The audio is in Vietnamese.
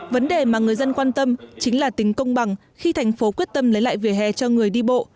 vấn đề mà người dân quan tâm chính là tính công bằng khi thành phố quyết tâm lấy lại vỉa hè cho người đi bộ